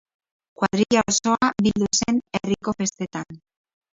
Koadrila osoa bildu zen herriko festetan